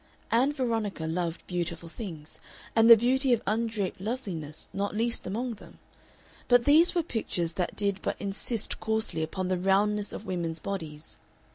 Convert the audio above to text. Ann Veronica loved beautiful things, and the beauty of undraped loveliness not least among them; but these were pictures that did but insist coarsely upon the roundness of women's bodies.